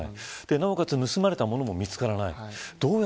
なおかつ、盗まれたものも見つからない。